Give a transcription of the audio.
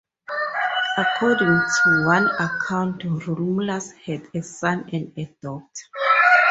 According to one account, Romulus had a son and a daughter.